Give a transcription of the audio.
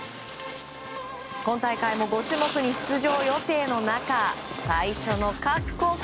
今大会も５種目に出場予定の中最初の滑降。